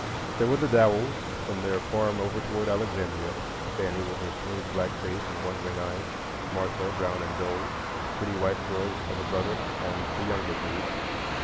There were the Dowells from their farm over toward Alexandria,—Fanny, with her smooth black face and wondering eyes; Martha, brown and dull; the pretty girl wife of a brother, and the younger brood.